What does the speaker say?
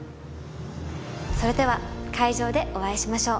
それでは会場でお会いしましょう